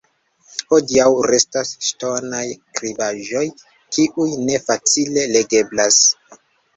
Hodiaŭ restas ŝtonaj skribaĵoj, kiuj ne facile legeblas.